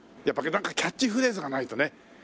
やっぱなんかキャッチフレーズがないとね。